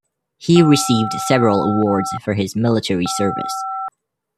He received several awards for his military service.